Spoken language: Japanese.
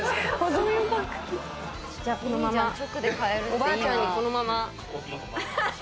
おばあちゃんにこのまま。